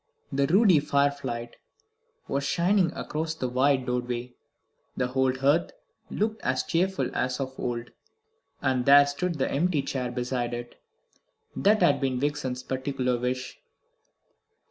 The ruddy firelight was shining across the wide doorway. The old hearth looked as cheerful as of old. And there stood the empty chair beside it. That had been Vixen's particular wish.